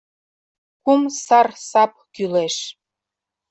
Кум сар сап кӱлеш.